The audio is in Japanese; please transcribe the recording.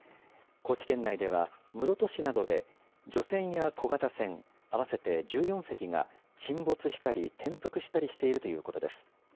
高知県内では、室戸市などで漁船や小型船、合わせて１４隻が沈没したり転覆したりしているということです。